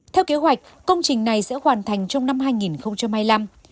theo kế hoạch công trình này sẽ hoàn thành trong năm hai nghìn hai mươi năm